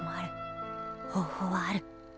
方法はある。